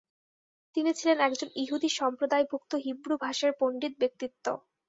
তিনি ছিলেন একজন ইহুদি সম্প্রদায়ভুক্ত হিব্রুভাষার পণ্ডিত ব্যক্তিত্ব।